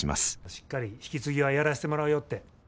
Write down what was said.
しっかり引き継ぎはやらしてもらうよって。